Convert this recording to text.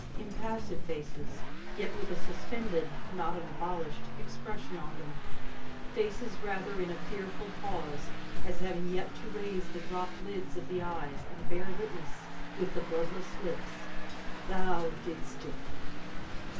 Impassive faces, yet with a suspended not an abolished expression on them; faces, rather, in a fearful pause, as having yet to raise the dropped lids of the eyes, and bear witness with the bloodless lips, "THOU DIDST IT!"